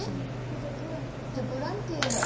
じゃあボランティアじゃん。